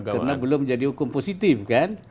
karena belum menjadi hukum positif kan